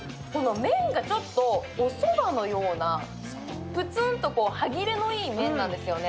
麺がちょっとおそばのようなプツンと歯切れのいい麺なんですよね。